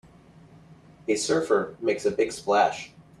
a surfer makes a big splash.